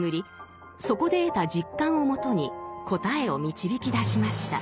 そこで得た実感をもとに答えを導き出しました。